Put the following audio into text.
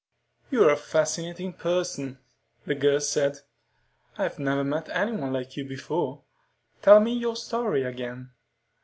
"You're a fascinating person," the girl said. "I've never met anyone like you before. Tell me your story again."